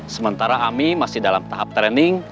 sementara ami masih dalam tahap training